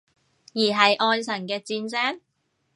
而係愛神嘅箭聲？